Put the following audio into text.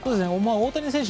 大谷選手